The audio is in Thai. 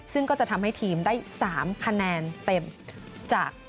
ซึ่งก็จะทำให้ทีมได้๓คะแนนเต็มจาก